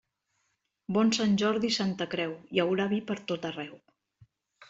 Bon Sant Jordi i Santa Creu, hi haurà vi pertot arreu.